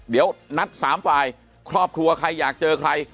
เดี๋ยวนัดสามฝ่ายครอบครัวใครอยากเจอใคร